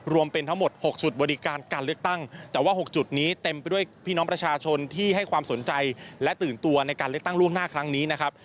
รวมเป็นทั้งหมด๖จุดบริการการเลือกตั้งแต่ว่า๖จุดนี้เต็มไปด้วยพี่น้องประชาชนที่ให้ความสนใจและตื่นตัวในการเลือกตั้งล่วงหน้าครั้งนี้นะครับ